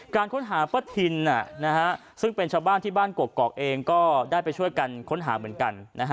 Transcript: การค้นหาป้าทินซึ่งเป็นชาวบ้านที่บ้านกกอกเองก็ได้ไปช่วยกันค้นหาเหมือนกัน